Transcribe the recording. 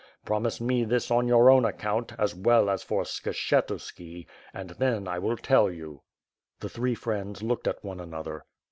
Promise me this on your own account, as well as for Skshetuski, and then I win tell you." The three friends looked at one another.